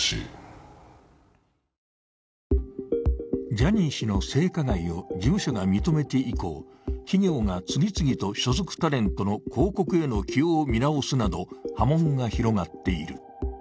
ジャニー氏の性加害を事務所が認めて以降、企業が次々と所属タレントの広告への起用を見直すなど、波紋が広がっている。